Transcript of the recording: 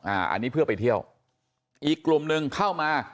อันนี้เพื่อไปเที่ยวอีกกลุ่มหนึ่งเข้ามา